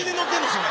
それ。